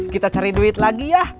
kita cari duit lagi ya